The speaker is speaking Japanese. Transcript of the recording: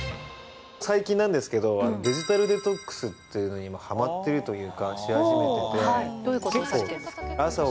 最近なんですけど、デジタルデトックスっていうのに今、はまっているというか、どういうことを。